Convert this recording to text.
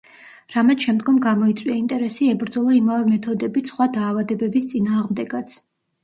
რამაც შემდგომ გამოიწვია ინტერესი ებრძოლა იმავე მეთოდებით სხვა დაავადებების წინააღმდეგაც.